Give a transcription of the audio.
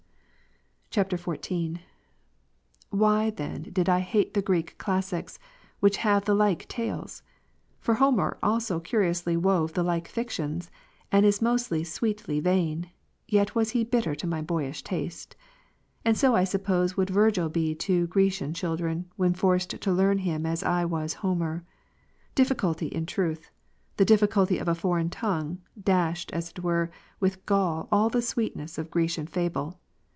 [XIV.] 23. Why then did I hate the Greek classics, which have the like tales ? For Homer also curiously wove the like fictions, and is most sweetly vain, yet was he bitter to my boyish taste. And so I suppose would Virgil be to Grecian children, when forced to learn him as I was Homer. Diffi culty, in truth, the difficulty of a foreign tongue, dashed, as it were, with gall all the sweetness of Grecian fable.